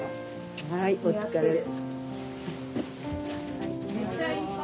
はいお疲れ。